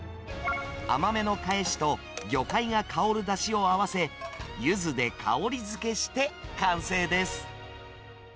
甘めのかえしと、魚介が香るだしを合わせ、ユズで香りづけして完成です。